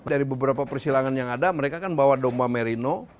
dari beberapa persilangan yang ada mereka kan bawa domba merino